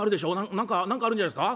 何か何かあるんじゃないっすか？」。